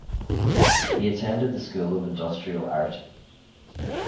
He attended the School of Industrial Art.